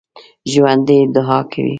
ژوندي دعا کوي